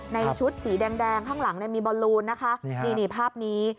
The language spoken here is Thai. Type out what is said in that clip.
ในชุดสีแดงข้างหลังมีบอลลูนนะคะนี่ภาพนี้